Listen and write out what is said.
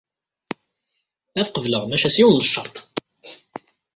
Ad t-qebleɣ maca s yiwen n ccerṭ.